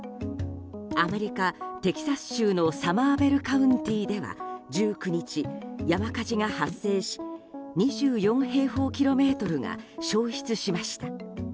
アメリカ・テキサス州のサマーベルカウンティでは１９日、山火事が発生し２４平方キロメートルが焼失しました。